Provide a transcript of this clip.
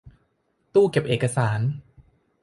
ตู้เก็บเอกสาร